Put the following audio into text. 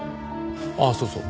ああそうそう。